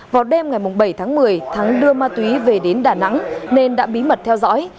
vào đêm ngày bảy tháng một mươi thắng đưa ma túy về đến đà nẵng nên đã bí mật theo dõi